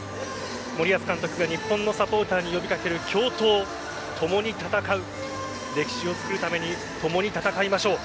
森保監督が日本のサポーターに呼びかける共闘共に戦う歴史を作るために共に戦いましょう。